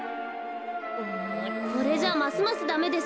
これじゃますますダメです。